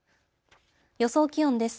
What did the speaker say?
予想気温です。